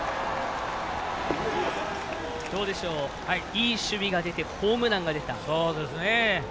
いい守備が出てホームランが出た。